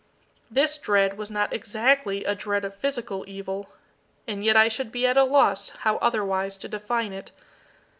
This dread was not exactly a dread of physical evil and yet I should be at a loss how otherwise to define it.